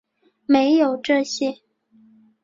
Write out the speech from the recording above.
没有这些